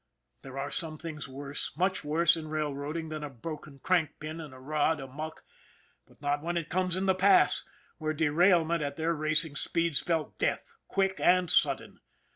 There are some things worse, much worse, in rail roading than a broken crank pin and a rod amuck, but not when it comes in The Pass, where derail ment at their racing speed spelt death, quick and sudden.